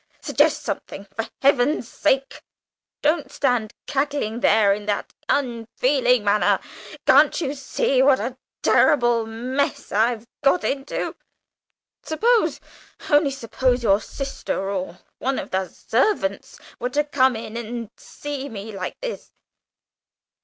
Suggest something, for Heaven's sake; don't stand cackling there in that unfeeling manner. Can't you see what a terrible, mess I've got into? Suppose only suppose your sister or one of the servants were to come in, and see me like this!"